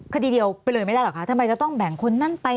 คดีเดียวไปเลยไม่ได้เหรอคะทำไมจะต้องแบ่งคนนั้นไป